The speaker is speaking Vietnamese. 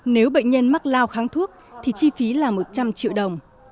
nếu bệnh nhân mắc lao kháng thuốc thì chi phí là một trăm linh triệu đồng